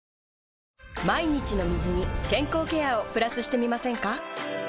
毎日の水に健康ケアをプラスしてみませんか？